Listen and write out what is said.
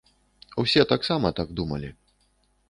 Усе таксама так думалі.